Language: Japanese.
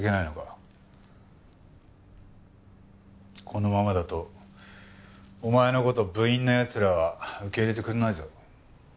このままだとお前の事部員の奴らは受け入れてくれないぞ。